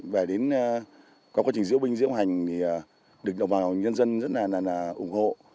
về đến qua quá trình diễu binh diễu hành lực lượng công an nhân dân rất là ủng hộ